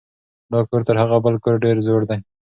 دا کور تر هغه بل کور ډېر زوړ دی.